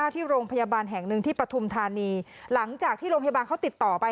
ที่โรงพยาบาลแห่งหนึ่งที่ปฐุมธานีหลังจากที่โรงพยาบาลเขาติดต่อไป